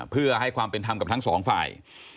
เพื่อให้ความเป็นธรรมกับทั้งสองฝ่าย